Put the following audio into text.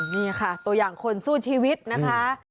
นี่ค่ะตัวอย่างคนสู้ชีวิตนะคะ